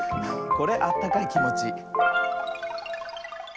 これあったかいきもち。